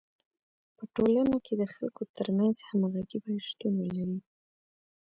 په ټولنه کي د خلکو ترمنځ همږغي باید شتون ولري.